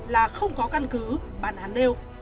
là không có căn cứ bản án đều